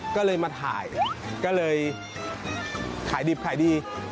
ก็เลยมาถ่ายก็เลยขายดิบขายดี